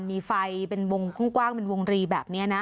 มีไฟเป็นวงกว้างเป็นวงรีแบบนี้นะ